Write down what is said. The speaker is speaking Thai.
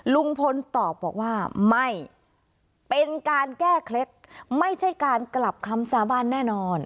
ลุงพลตอบบอกว่าไม่เป็นการแก้เคล็ดไม่ใช่การกลับคำสาบานแน่นอน